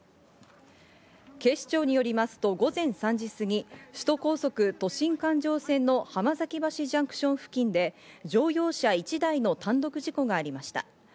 警視庁によりますと午前３時すぎ、首都高速都心環状線の浜崎橋ジャンクション付近で乗用車１台の単独事故がありました。